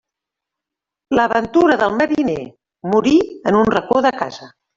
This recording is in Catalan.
La ventura del mariner: morir en un racó de casa.